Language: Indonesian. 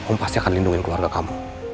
om pasti akan lindungi keluarga kamu